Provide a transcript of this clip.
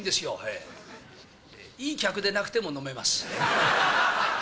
いい客でなくても飲めます。